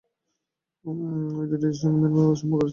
ওই দুটি দেশের সঙ্গে মিয়ানমারেরও ভালো সম্পর্ক আছে।